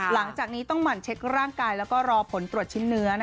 หลังจากนี้ต้องหมั่นเช็คร่างกายแล้วก็รอผลตรวจชิ้นเนื้อ